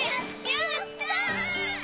やった！